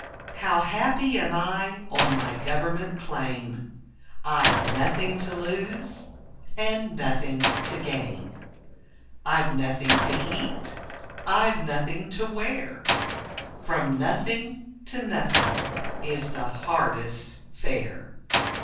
How happy am I on my government claim, I've nothing to lose, and nothing to gain; I've nothing to eat, I've nothing to wear, From nothing to nothing is the hardest fare.